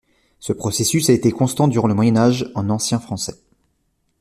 Ce processus a été constant durant le Moyen Âge, en ancien français.